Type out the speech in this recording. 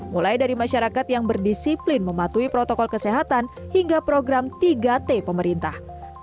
mulai dari masyarakat yang berdisiplin mematuhi protokol kesehatan hingga program tiga t pemerintah